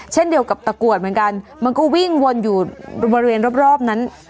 เช่นเดียวกับตะกรวดเหมือนกันมันก็วิ่งวนอยู่บริเวณรอบนั้น